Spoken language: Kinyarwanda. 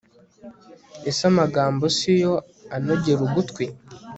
ese amagambo si yo anogera ugutwi